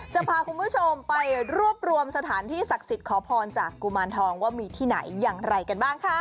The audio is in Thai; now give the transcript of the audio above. จะพาคุณผู้ชมไปรวบรวมสถานที่ศักดิ์สิทธิ์ขอพรจากกุมารทองว่ามีที่ไหนอย่างไรกันบ้างค่ะ